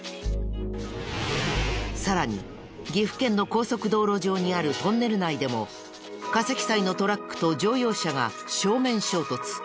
さらに岐阜県の高速道路上にあるトンネル内でも過積載のトラックと乗用車が正面衝突。